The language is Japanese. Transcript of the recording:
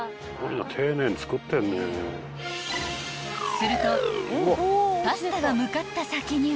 ［するとパスタが向かった先には］